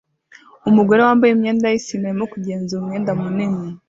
Umugore wambaye imyenda yisine arimo kugenzura umwenda munini